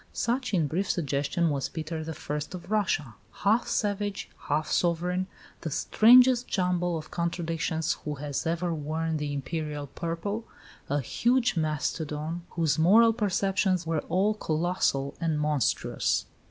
Such in brief suggestion was Peter I. of Russia, half savage, half sovereign, the strangest jumble of contradictions who has ever worn the Imperial purple "a huge mastodon, whose moral perceptions were all colossal and monstrous."